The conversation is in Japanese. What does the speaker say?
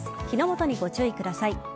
火の元にご注意ください。